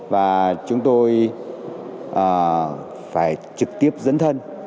và chúng tôi phải trực tiếp dẫn thân